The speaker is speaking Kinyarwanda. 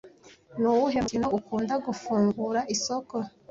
Nuwuhe mukino ukunda gufungura isoko?